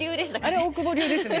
あれ大久保流ですね。